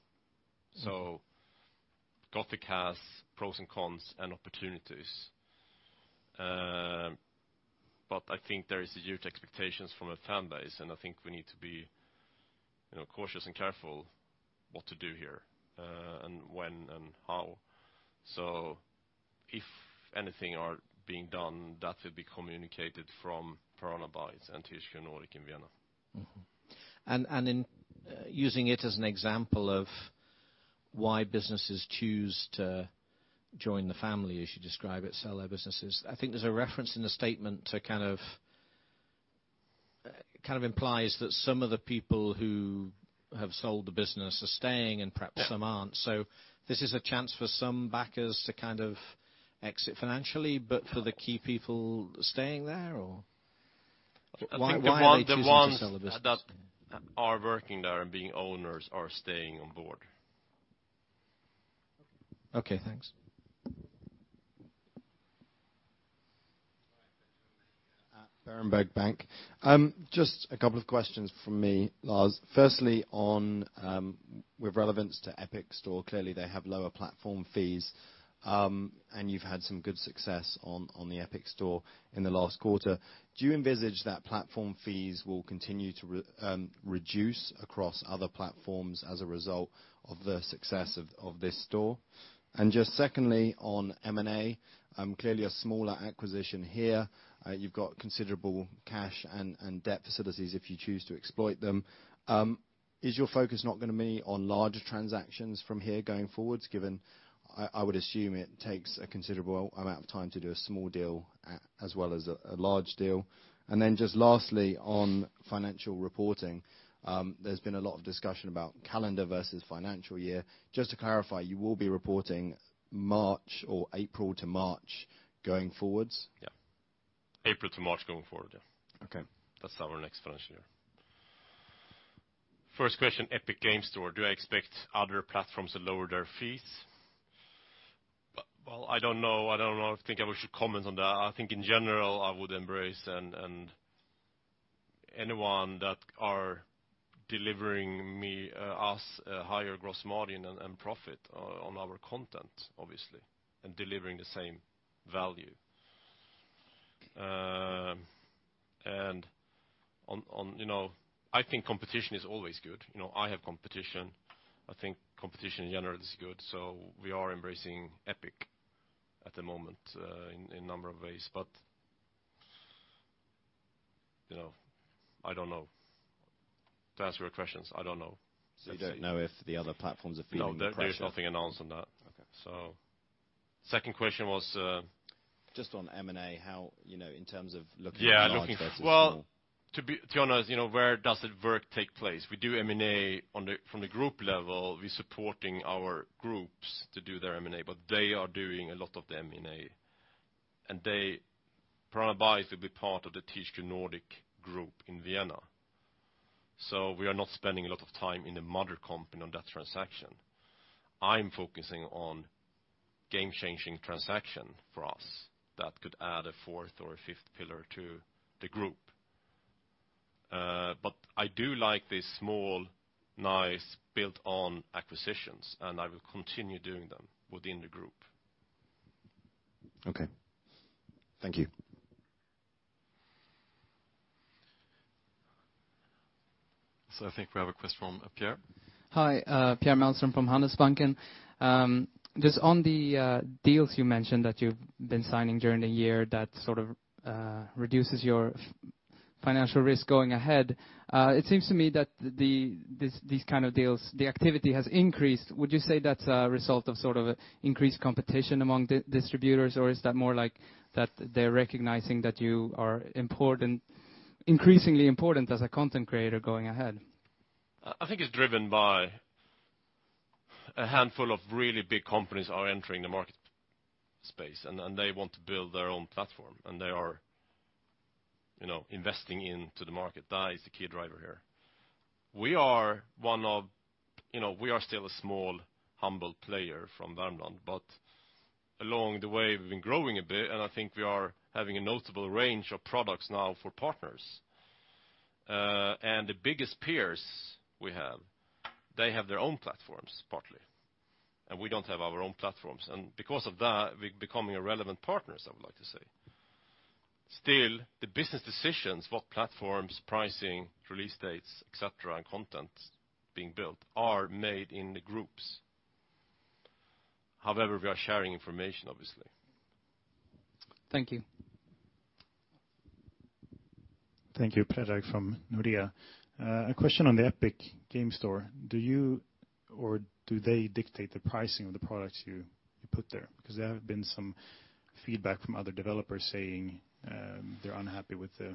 Gothic has pros and cons and opportunities. I think there is huge expectations from a fan base, and I think we need to be cautious and careful what to do here, and when and how. If anything are being done, that will be communicated from Piranha Bytes and THQ Nordic in Vienna. In using it as an example of why businesses choose to join the family, as you describe it, sell their businesses. I think there's a reference in the statement implies that some of the people who have sold the business are staying and perhaps some aren't. This is a chance for some backers to exit financially, but for the key people staying there, or? I think the Why are they choosing to sell the business? that are working there and being owners are staying on board. Okay, thanks. Brian, Berenberg Bank. Just a couple of questions from me, Lars. Firstly, with relevance to Epic Games Store, clearly they have lower platform fees. You've had some good success on the Epic Games Store in the last quarter. Do you envisage that platform fees will continue to reduce across other platforms as a result of the success of this store? Just secondly, on M&A, clearly a smaller acquisition here. You've got considerable cash and debt facilities if you choose to exploit them. Is your focus not going to be on larger transactions from here going forward, given I would assume it takes a considerable amount of time to do a small deal as well as a large deal? Just lastly, on financial reporting, there's been a lot of discussion about calendar versus financial year. Just to clarify, you will be reporting March or April to March going forwards? April to March going forward, yeah. Okay. That's our next financial year. First question, Epic Games Store. Do I expect other platforms to lower their fees? Well, I don't know. I don't know if I think I should comment on that. I think in general, I would embrace anyone that are delivering me, us, a higher gross margin and profit on our content, obviously, and delivering the same value. I think competition is always good. I have competition. I think competition in general is good. We are embracing Epic at the moment, in number of ways. I don't know. To answer your questions, I don't know. You don't know if the other platforms are feeling the pressure? No, there's nothing announced on that. Okay. Second question was? Just on M&A, how in terms of looking at large versus small? To be honest, where does the work take place? We do M&A from the group level. We're supporting our groups to do their M&A, but they are doing a lot of the M&A, and they probably buy to be part of the THQ Nordic group in Vienna. We are not spending a lot of time in the mother company on that transaction. I'm focusing on game-changing transaction for us that could add a fourth or fifth pillar to the group. I do like this small, nice built-on acquisitions, and I will continue doing them within the group. Okay. Thank you. I think we have a question from Pierre. Hi, Pierre Malmström from Handelsbanken. Just on the deals you mentioned that you've been signing during the year that sort of reduces your financial risk going ahead. It seems to me that these kind of deals, the activity has increased. Would you say that's a result of sort of increased competition among distributors, or is that more like that they're recognizing that you are increasingly important as a content creator going ahead? I think it's driven by a handful of really big companies are entering the market space. They want to build their own platform. They are investing into the market. That is the key driver here. We are still a small, humble player from Värmland. Along the way, we've been growing a bit, and I think we are having a notable range of products now for partners. The biggest peers we have, they have their own platforms partly. We don't have our own platforms. Because of that, we're becoming irrelevant partners, I would like to say. Still, the business decisions, what platforms, pricing, release dates, et cetera, and content being built are made in the groups. However, we are sharing information, obviously. Thank you. Thank you. Predrag from Nordea. A question on the Epic Games Store. Do you or do they dictate the pricing of the products you put there? There have been some feedback from other developers saying, they're unhappy with the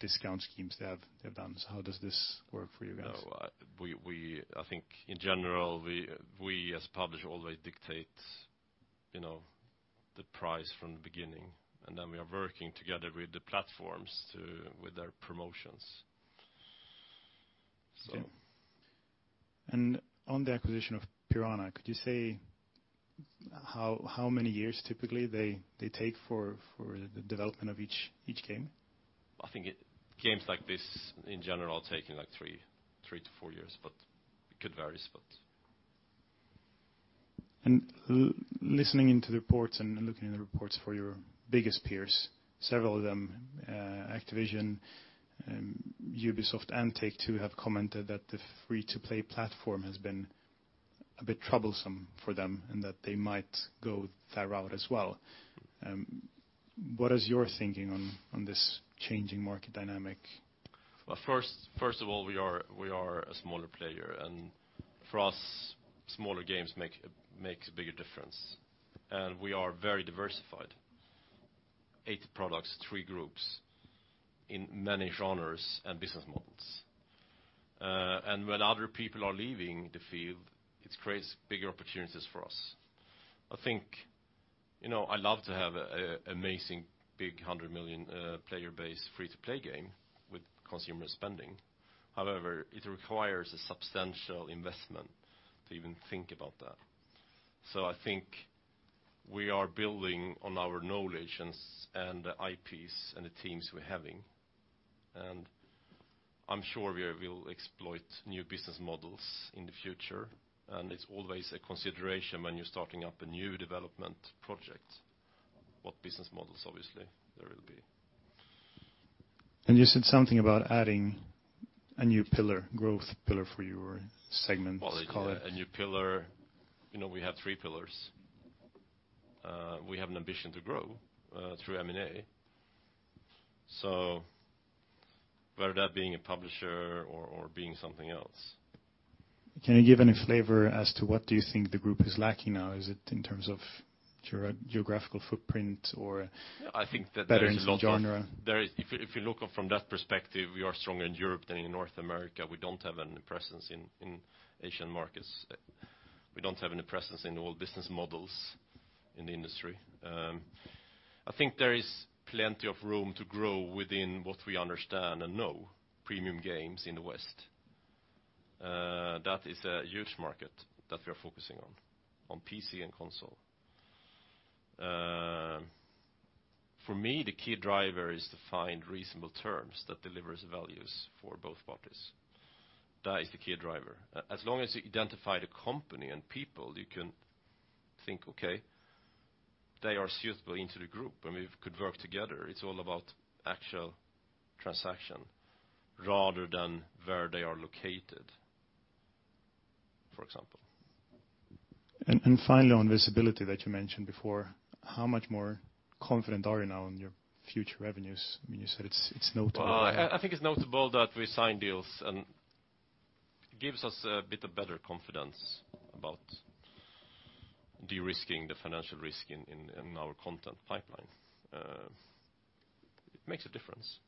discount schemes they've done. How does this work for you guys? No. I think in general, we, as publisher, always dictate the price from the beginning. Then we are working together with the platforms with their promotions. On the acquisition of Piranha, could you say how many years typically they take for the development of each game? I think games like this, in general, taking like three to four years, but it could vary. Listening into the reports and looking in the reports for your biggest peers, several of them, Activision, Ubisoft, and Take-Two have commented that the free-to-play platform has been a bit troublesome for them, and that they might go that route as well. What is your thinking on this changing market dynamic? Well, first of all, we are a smaller player, and for us, smaller games make a bigger difference. We are very diversified. Eight products, three groups in many genres and business models. When other people are leaving the field, it creates bigger opportunities for us. I love to have an amazing big 100 million player base free-to-play game with consumer spending. However, it requires a substantial investment to even think about that. I think we are building on our knowledge and the IPs and the teams we're having. I'm sure we will exploit new business models in the future, and it's always a consideration when you're starting up a new development project, what business models, obviously, there will be. You said something about adding a new growth pillar for your segment. Well, a new pillar. We have three pillars. We have an ambition to grow through M&A, whether that being a publisher or being something else. Can you give any flavor as to what do you think the group is lacking now? Is it in terms of geographical footprint? I think that there is a lot of- better into genre? If you look from that perspective, we are stronger in Europe than in North America. We don't have any presence in Asian markets. We don't have any presence in all business models in the industry. I think there is plenty of room to grow within what we understand and know, premium games in the West. That is a huge market that we are focusing on PC and console. For me, the key driver is to find reasonable terms that delivers values for both parties. That is the key driver. As long as you identify the company and people, you can think, okay, they are suitable into the group, and we could work together. It's all about actual transaction rather than where they are located, for example. Finally, on visibility that you mentioned before, how much more confident are you now in your future revenues? You said it's notable. Well, I think it's notable that we sign deals, and it gives us a bit of better confidence about de-risking the financial risk in our content pipeline. It makes a difference.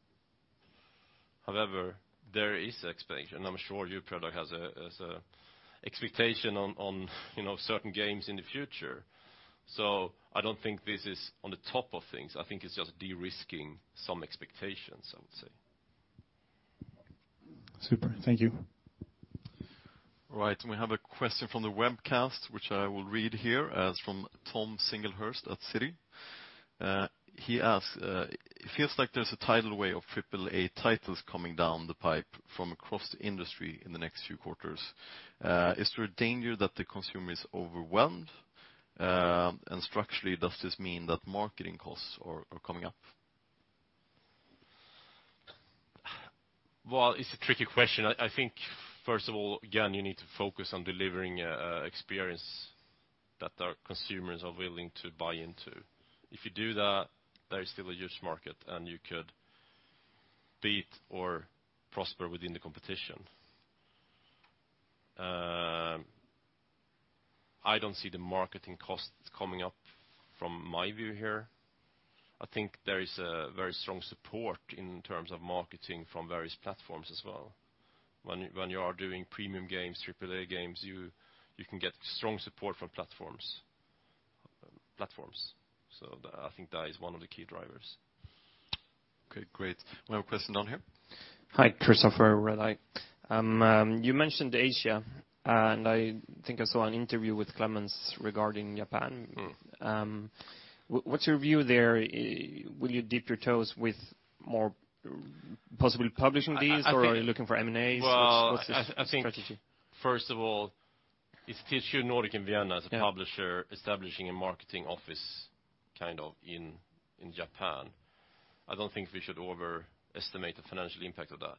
However, there is expectation. I'm sure your product has an expectation on certain games in the future. I don't think this is on the top of things. I think it's just de-risking some expectations, I would say. Super. Thank you. Right. We have a question from the webcast, which I will read here. It is from Tom Singlehurst at Citi. He asks: "It feels like there is a tidal wave of AAA titles coming down the pipe from across the industry in the next few quarters. Is there a danger that the consumer is overwhelmed? Structurally, does this mean that marketing costs are coming up? Well, it is a tricky question. I think, first of all, again, you need to focus on delivering an experience that our consumers are willing to buy into. If you do that, there is still a huge market, and you could beat or prosper within the competition. I do not see the marketing costs coming up from my view here. I think there is a very strong support in terms of marketing from various platforms as well. When you are doing premium games, AAA games, you can get strong support from platforms. I think that is one of the key drivers. Okay, great. We have a question down here. Hi, Christopher. You mentioned Asia, and I think I saw an interview with Klemens regarding Japan. What's your view there? Will you dip your toes with more possibly publishing these- I think- Are you looking for M&As? Well- What's the strategy? I think, first of all, it's THQ Nordic in Vienna as a publisher establishing a marketing office, kind of, in Japan. I don't think we should overestimate the financial impact of that.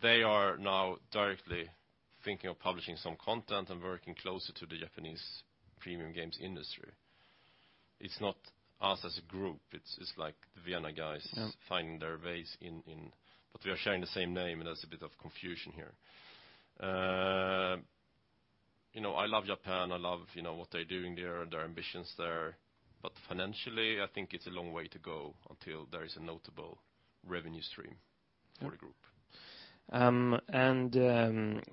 They are now directly thinking of publishing some content and working closer to the Japanese premium games industry. It's not us as a group. It's the Vienna guys- Yeah finding their ways in. We are sharing the same name, and there's a bit of confusion here. I love Japan. I love what they're doing there and their ambitions there. Financially, I think it's a long way to go until there is a notable revenue stream for the group.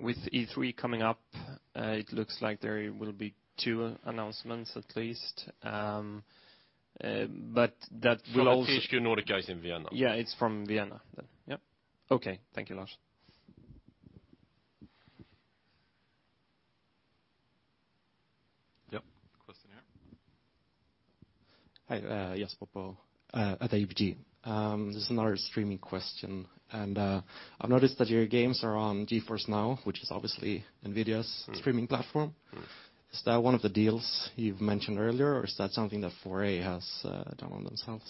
With E3 coming up, it looks like there will be two announcements at least. That will also- From the THQ Nordic guys in Vienna. Yeah, it's from Vienna then. Yep. Okay. Thank you a lot. Yep. Question here. Hi. Jasper at ABG. This is another streaming question. I've noticed that your games are on GeForce NOW, which is obviously NVIDIA's streaming platform. Is that one of the deals you've mentioned earlier, or is that something that 4A has done on themselves?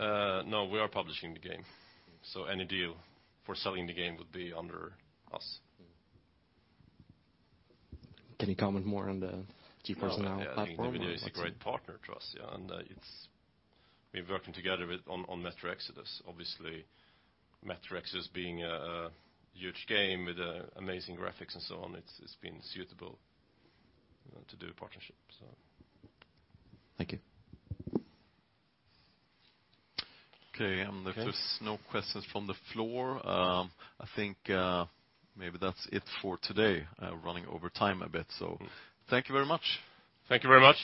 No, we are publishing the game. Any deal for selling the game would be under us. Can you comment more on the GeForce NOW platform? I think NVIDIA is a great partner to us, yeah. We're working together on "Metro Exodus." Obviously, "Metro Exodus" being a huge game with amazing graphics and so on, it's been suitable to do a partnership. Thank you. Okay. If there's no questions from the floor, I think maybe that's it for today. Running over time a bit. Thank you very much. Thank you very much.